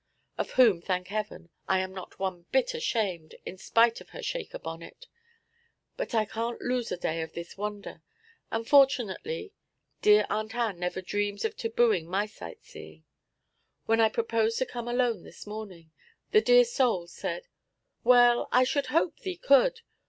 of whom, thank heaven, I am not one bit ashamed, in spite of her Shaker bonnet. But I can't lose a day of this wonder, and fortunately dear Aunt Ann never dreams of tabooing my sight seeing. When I proposed to come alone this morning, the dear soul said: '"Well, I should hope thee could.